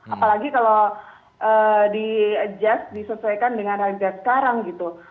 apalagi kalau diadjust disesuaikan dengan harga sekarang gitu